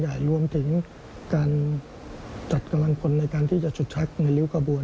ในการสร้างราชรศเป็นของการจัดกำลังคลในการที่จดถักในริวกระบวน